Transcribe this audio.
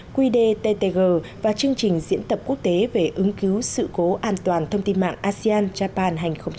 quy đề ttg và chương trình diễn tập quốc tế về ứng cứu sự cố an toàn thông tin mạng asean japan hai nghìn một mươi chín